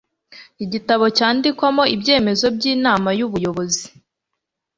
igitabo cyandikwamo ibyemezo by'inama y'ubuyobozi